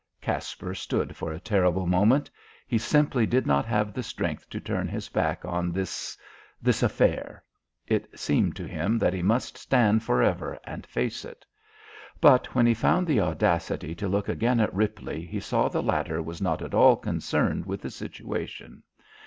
Caspar stood for a terrible moment. He simply did not have the strength to turn his back on this this affair. It seemed to him that he must stand forever and face it. But when he found the audacity to look again at Ripley he saw the latter was not at all concerned with the situation.